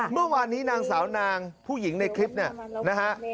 เมื่อวานนี้นางสาวนางผู้หญิงในคลิปเนี่ยนะฮะ